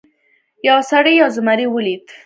یو سړي یو زمری ولید.